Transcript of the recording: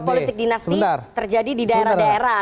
politik dinasti terjadi di daerah daerah